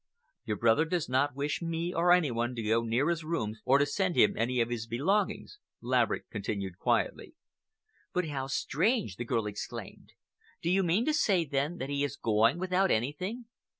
"Your brother does not wish me or any one to go near his rooms or to send him any of his belongings," Laverick continued quietly. "But how strange!" the girl exclaimed. "Do you mean to say, then, that he is going without anything?"